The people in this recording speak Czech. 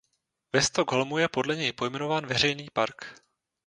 Ve Stockholmu je podle něj pojmenován veřejný park.